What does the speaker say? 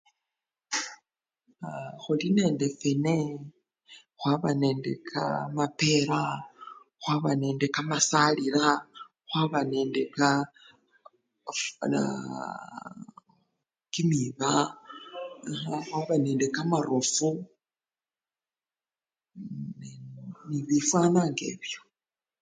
Aa! khuli nende fene, khwaba nende kamapera khwaba nende kamasalila khwaba nende ka naaa! kimiba khwaba nende kamarofu nende nii! bifwana ngebyo.